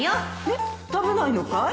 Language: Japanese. えっ食べないのかい？